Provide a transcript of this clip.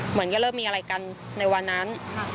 เหมือนจะเริ่มมีอะไรกันในวันนั้น